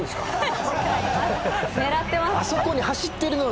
・狙ってます。